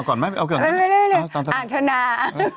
อ่านธนา